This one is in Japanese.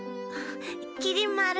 きり丸。